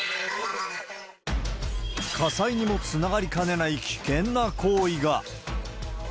火災にもつながりかねない危険な行為が。